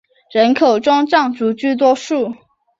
人口中藏族居多数。